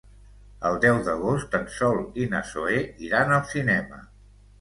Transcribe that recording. El deu d'agost en Sol i na Zoè iran al cinema.